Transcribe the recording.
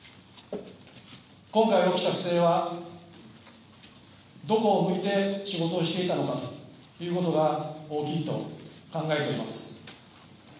今回起きた不正は、どこを見て仕事をしていたのかということが大きいと考えております。